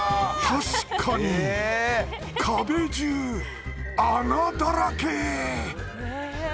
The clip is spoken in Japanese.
確かに壁中穴だらけ！